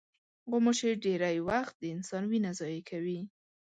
غوماشې ډېری وخت د انسان وینه ضایع کوي.